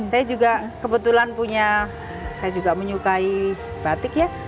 saya juga kebetulan punya saya juga menyukai batik ya